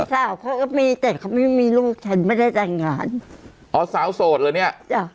แต่เขาไม่มีลูกฉันไม่ได้แต่งงานอ๋อสาวโสดหรอเนี่ย